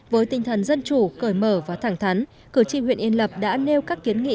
với tinh thần dân chủ cởi mở và thẳng thắn cử tri huyện yên lập đã nêu các kiến nghị